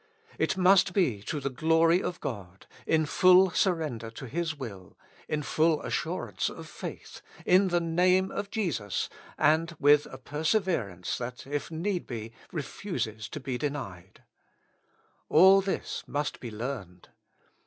It must be to the glory of God, in full surrender to His will, in full assurance of faith, in the name of Jesus, and with a perseverance that, 12 With Christ in the School of Prayer. if need be, refuses to be denied. All this must be learned.